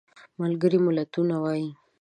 ملګري ملتونه وایي.